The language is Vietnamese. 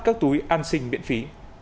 các túi an sinh miễn phí